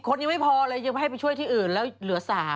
คนยังไม่พอเลยยังไม่ให้ไปช่วยที่อื่นแล้วเหลือ๓